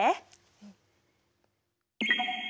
うん。